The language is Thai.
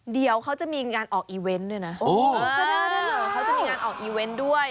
เดี๋ยวเขาจะมีงานออกอีเวนต์ด้วยนะเขาจะมีงานออกอีเวนต์ด้วย